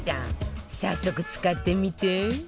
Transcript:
早速使ってみて